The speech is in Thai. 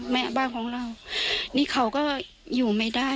แม่บ้านของเรานี่เขาก็อยู่ไม่ได้